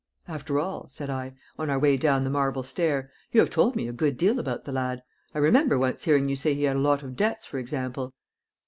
"After all," said I, on our way down the marble stair, "you have told me a good deal about the lad. I remember once hearing you say he had a lot of debts, for example."